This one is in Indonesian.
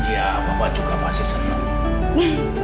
iya bapak juga pasti seneng